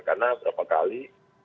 karena beberapa kali